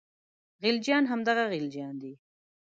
خلجیان همدغه غلجیان دي.